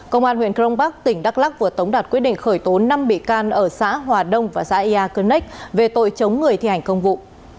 công an huyện crong bắc tỉnh đắk lắc vừa tống đạt quyết định khởi tố năm bị can ở xã hòa đông và xã ia cơnk về tội chống người thi hành công vụ